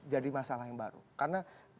jadi masalah yang baru karena